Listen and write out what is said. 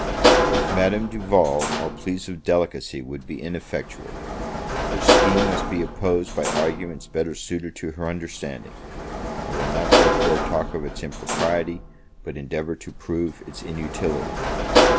With Madame Duval, all pleas of delicacy would be ineffectual; her scheme must be opposed by arguments better suited to her understanding. I will not, therefore, talk of its impropriety, but endeavour to prove its inutility.